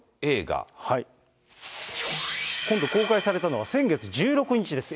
今度、公開されたのは先月１６日です。